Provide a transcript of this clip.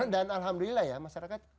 dan alhamdulillah ya masyarakat